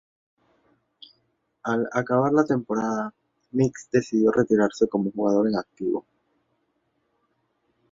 Al acabar la temporada, Mix decidió retirarse como jugador en activo.